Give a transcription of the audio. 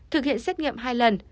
thực hiện xét nghiệm hai lần